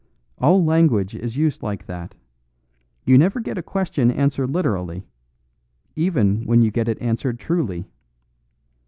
All language is used like that; you never get a question answered literally, even when you get it answered truly.